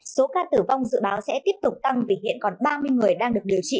số ca tử vong dự báo sẽ tiếp tục tăng vì hiện còn ba mươi người đang được điều trị